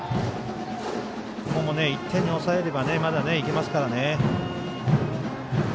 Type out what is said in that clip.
この１点に抑えればまだいけますからね。